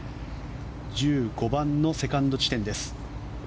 １５番のセカンド地点です。